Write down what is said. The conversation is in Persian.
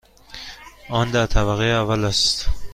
آن در طبقه اول است.